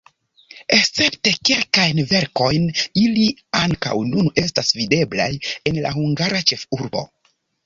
Escepte kelkajn verkojn ili ankaŭ nun estas videblaj en la hungara ĉefurbo.